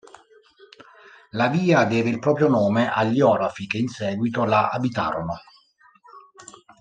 La via deve il proprio nome agli orafi che in seguito la abitarono.